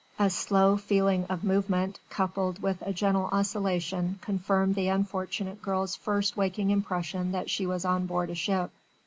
A slow feeling of movement coupled with a gentle oscillation confirmed the unfortunate girl's first waking impression that she was on board a ship.